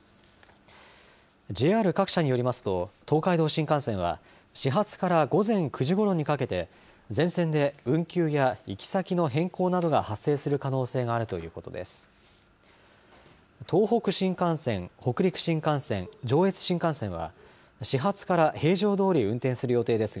ＪＲ各社によりますと東海道新幹線は始発から午前９時ごろにかけて全線で運休や行き先の変更等が発生する可能性があるということです。